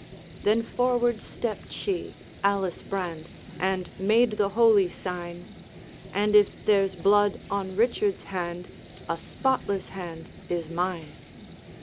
Then forward stepped she, Alice Brand, And made the holy sign, 'And if there's blood on Richard's hand, A spotless hand is mine.